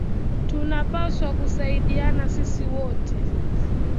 Tuna pashwa ku saidiana sisi wote